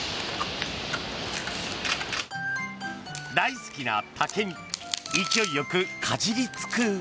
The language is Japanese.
大好きな竹に勢いよくかじりつく。